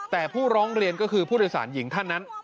แต่ผู้ร้องเรียนก็คือผู้โดยสารหญิงท่านนั้น